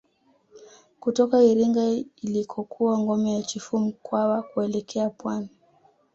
Kutoka Iringa ilikokuwa ngome ya Chifu Mkwawa kuelekea pwani